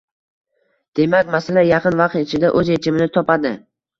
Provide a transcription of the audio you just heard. Demak, masala yaqin vaqt ichida oʻz yechimini topadi...